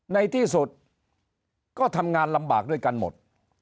ในที่สุดก็ทำงานลำบากด้วยกันหมด